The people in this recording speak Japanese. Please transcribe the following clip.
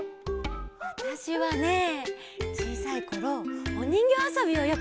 わたしはねちいさいころおにんぎょうあそびをよくしてたな。